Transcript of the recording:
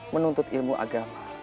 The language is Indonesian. menuntut ilmu agama